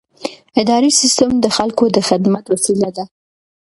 اداري سیستم د خلکو د خدمت وسیله ده.